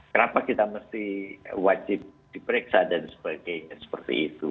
kenapa kita mesti wajib diperiksa dan sebagainya seperti itu